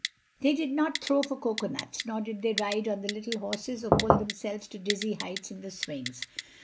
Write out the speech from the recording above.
They did not throw for coconuts, nor did they ride on the little horses or pull themselves to dizzy heights in the swings.